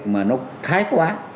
mà nó thái quá